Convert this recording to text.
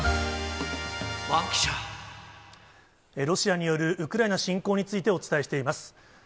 ロシアによるウクライナ侵攻について、お伝えしています。